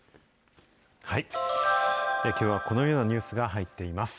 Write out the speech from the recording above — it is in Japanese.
きょうはこのようなニュースが入っています。